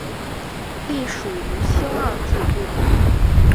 隶属于青二制作。